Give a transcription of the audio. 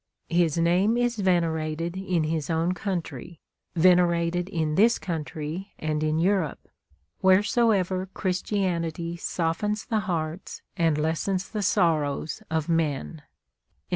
His name is venerated in his own country; venerated in this country and in Europe, wheresoever Christianity softens the hearts and lessens the sorrows of men."